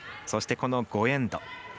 そして、この５エンド。